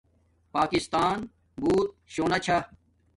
پاکستان بوت شونا چھا